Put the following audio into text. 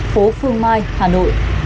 phố phương mai hà nội